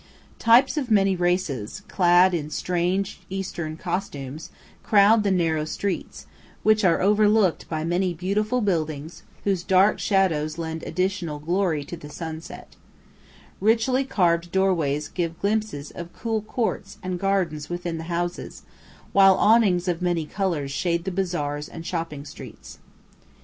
Types of many races, clad in strange Eastern costumes, crowd the narrow streets, which are overlooked by many beautiful buildings whose dark shadows lend additional glory to the sunlight. Richly carved doorways give glimpses of cool courts and gardens within the houses, while awnings of many colours shade the bazaars and shopping streets. [Illustration: AN ARAB CAFÉ, CAIRO.